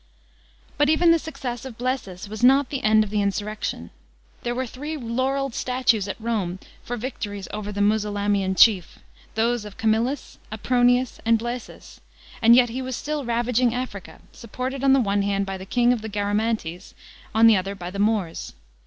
* But even the success of Blsesus was not the end of the insurrection. There were three laurelled statues at Rome for victories over the Musulamian chief — those of Camillus, Aprouius, and Blaesus — and yet he was still ravaging Africa, supported on the one hand by the king of the Garamantes, on the other by the Moors.